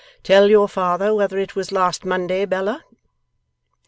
'Tell your father whether it was last Monday, Bella.